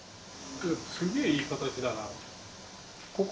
・すげえいい形だな。